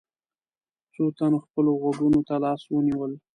څو تنو خپلو غوږونو ته لاسونه ونيول.